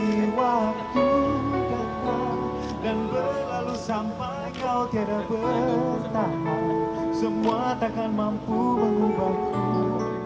meski waktu datang dan berlalu sampai kau tidak bertahan semua takkan mampu mengubahku